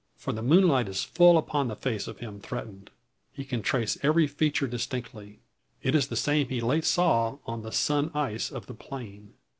For the moonlight is full upon the face of him threatened; he can trace every feature distinctly. It is the same he late saw on the sun ice of the plain!